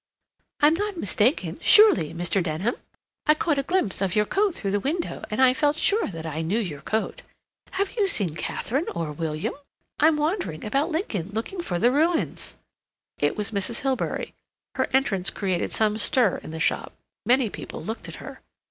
"I'm not mistaken? Surely Mr. Denham? I caught a glimpse of your coat through the window, and I felt sure that I knew your coat. Have you seen Katharine or William? I'm wandering about Lincoln looking for the ruins." It was Mrs. Hilbery; her entrance created some stir in the shop; many people looked at her.